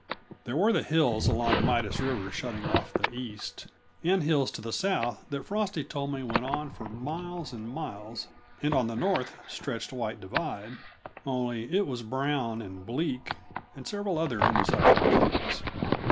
There were the hills along Midas River shutting off the East, and hills to the south that Frosty told me went on for miles and miles, and on the north stretched White Divide only it was brown, and bleak, and several other undesirable things.